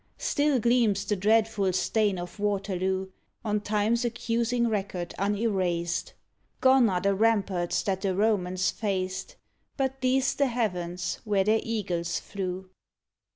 Still gleams the dreadful stain of Waterloo, On Time s accusing record unerased; Gone are the ramparts that the Romans faced, But these the heavens where their eagles flew.